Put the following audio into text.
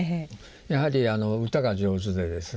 やはり歌が上手でですね